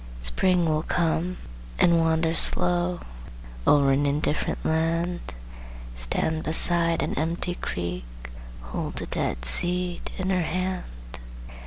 Spring will come, and wander slow Over an indifferent land, Stand beside an empty creek, Hold a dead seed in her hand."